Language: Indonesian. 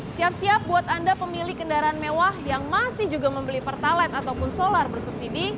siap siap buat anda pemilik kendaraan mewah yang masih juga membeli pertalite ataupun solar bersubsidi